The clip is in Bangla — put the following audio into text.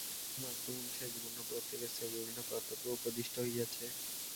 বিভিন্ন আশ্রম অনুসারে জীবনের প্রত্যেক স্তরে বিভিন্ন কর্তব্য উপদিষ্ট হইয়াছে।